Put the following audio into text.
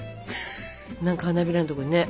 何か花びらのところにね。